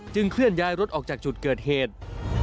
เคลื่อนย้ายรถออกจากจุดเกิดเหตุ